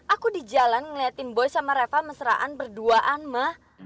aku di jalan ngeliatin boy sama reva mesraan berduaan mah